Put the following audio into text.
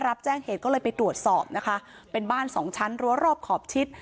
รับแจ้งเหตุก็เลยไปตรวจสอบนะคะเป็นบ้านสองชั้นรั้วรอบขอบชิด